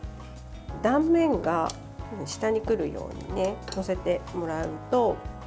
断面が下に来るように載せてもらうと。